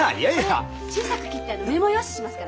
これ小さく切ってメモ用紙にしますから。